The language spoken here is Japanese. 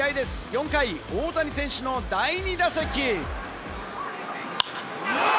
４回、大谷選手の第２打席。